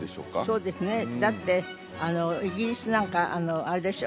そうですねだってイギリスなんかあれでしょ？